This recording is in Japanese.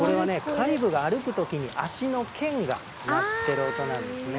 カリブーが歩く時に足の腱が鳴ってる音なんですね。